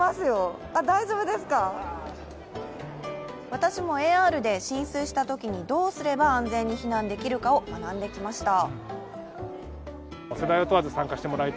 私もＡＲで、浸水したときにどうすれば安全に避難できるかを学んできました。